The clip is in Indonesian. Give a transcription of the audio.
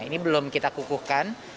ini belum kita kukuhkan